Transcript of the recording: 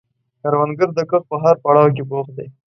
کروندګر د کښت په هر پړاو کې بوخت دی